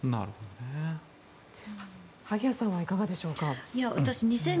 萩谷さんはいかがでしょうか。